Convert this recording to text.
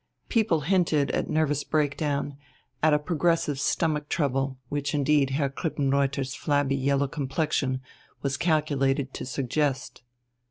People hinted at nervous break down, at a progressive stomach trouble, which indeed Herr Krippenreuther's flabby yellow complexion was calculated to suggest....